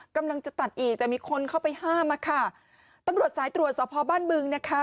กำลังจะตัดอีกแต่มีคนเข้าไปห้ามอะค่ะตำรวจสายตรวจสอบพอบ้านบึงนะคะ